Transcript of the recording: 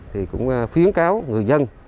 thì cũng phiến cáo người dân